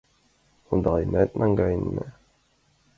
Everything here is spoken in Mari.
Ондаленак наҥгаена.